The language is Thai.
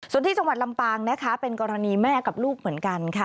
ส่วนที่จังหวัดลำปางนะคะเป็นกรณีแม่กับลูกเหมือนกันค่ะ